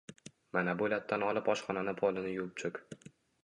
Mana bu lattani olib oshxonani polini yuvib chiq